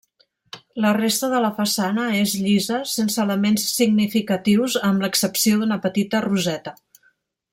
La resta de la façana és llisa, sense elements significatius amb l'excepció d'una petita roseta.